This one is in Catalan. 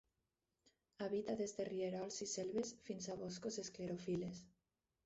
Habita des de rierols i selves fins a boscos esclerofil·les.